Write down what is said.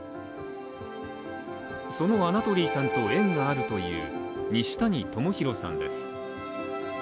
そのアナトリーさんと縁があるという西谷友宏さんです。